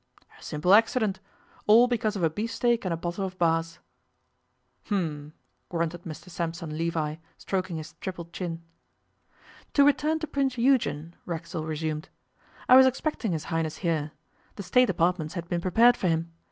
'A simple accident all because of a beefsteak and a bottle of Bass.' 'Um!' grunted Mr Sampson Levi, stroking his triple chin. 'To return to Prince Eugen,' Racksole resumed. 'I was expecting His Highness here. The State apartments had been prepared for him.